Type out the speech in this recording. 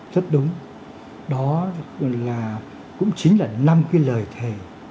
rất đúng đó là cũng chính là năm cái lời thề